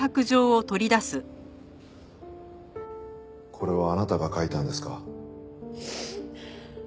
これはあなたが書いたんですか？